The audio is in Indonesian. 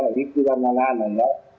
dari keluarga anak anak ya